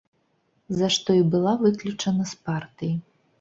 За што і была выключана з партыі.